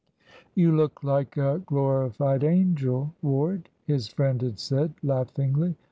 "You look like a glorified angel, Ward," his friend had said, laughingly.